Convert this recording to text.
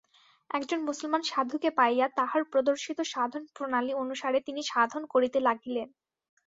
একজন মুসলমান সাধুকে পাইয়া তাঁহার প্রদর্শিত সাধনপ্রণালী অনুসারে তিনি সাধন করিতে লাগিলেন।